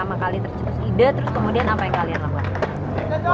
pertama kali tercetus ide terus kemudian apa yang kalian lakukan